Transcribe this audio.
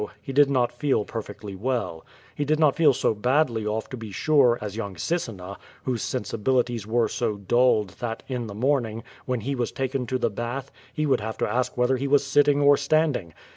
He did not feel perfectly well. He did not feel so badly off, to be sure, as young Sis sena, whose sensibilities were so dulled that, in the morning, when he was taken to the bath, he would have to ask whether he was sitting or standing.